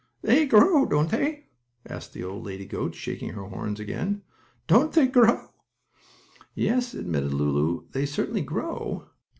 "They grow, don't they?" asked the old lady goat, shaking her horns again, "Don't they grow?" "Yes," admitted Lulu. "They certainly grow."